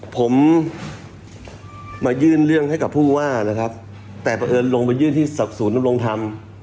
ผมมายื่นเรื่องให้กับผู้ว่านะครับแต่เพราะเอิญลงไปยื่นที่ศูนย์นำรงธรรม